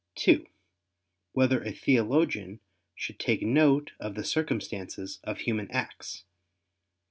(2) Whether a theologian should take note of the circumstances of human acts?